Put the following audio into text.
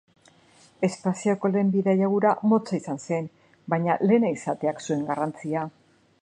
Espazioko lehen bidaia hura motza izan zen baina lehena izateak zuen garrantzia.